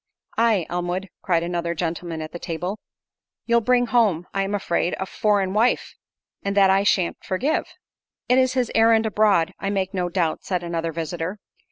"Aye, Elmwood," cried another gentleman at table, "you'll bring home, I am afraid, a foreign wife, and that I shan't forgive." "It is his errand abroad, I make no doubt," said another visitor.